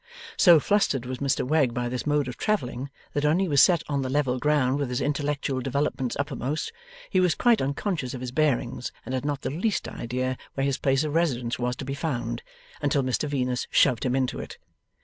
So flustered was Mr Wegg by this mode of travelling, that when he was set on the level ground with his intellectual developments uppermost, he was quite unconscious of his bearings, and had not the least idea where his place of residence was to be found, until Mr Venus shoved him into it.